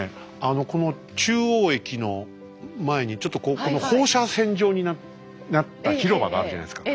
この「中央駅」の前にちょっとこうこの放射線状になった広場があるじゃないですか。